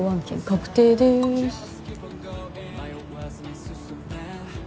確定です」